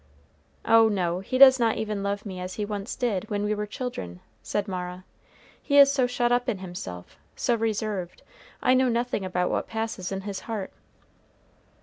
"Oh, no; he does not even love me as he once did, when we were children," said Mara. "He is so shut up in himself, so reserved, I know nothing about what passes in his heart."